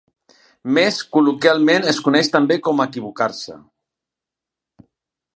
Més col·loquialment es coneix també com equivocar-se.